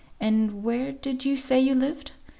"And where did you say you lived?"